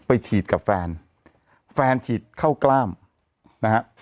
ฉีดกับแฟนแฟนฉีดเข้ากล้ามนะฮะ